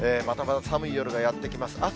また寒い夜がやって来ます。